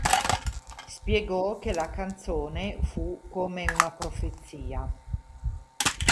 Spiegò che la canzone fu "come una profezia...